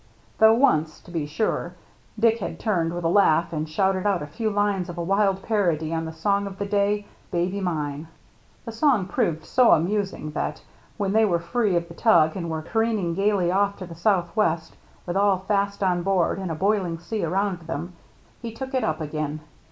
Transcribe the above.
Though once, to be sure, Dick had turned with a laugh and shouted out a few lines of a wild parody on the song of the day, " Baby Mine." DICK AND HIS MERRT ANNE 29 The song proved so amusing that, when they were free of the tug and were careening gayly off to the southwest with all fast on board and a boiling sea around them, he took it up again.